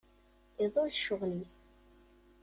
Iḍul ccɣel-is.